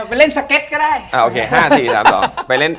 ไปเล่นสเก็ตก็ได้